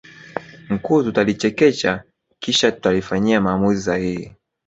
mkuu tutalichekecha kisha tutalifanyia maamuzi sahihi